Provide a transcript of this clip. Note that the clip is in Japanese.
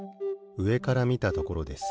うえからみたところです。